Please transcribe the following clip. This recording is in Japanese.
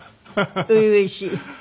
初々しい。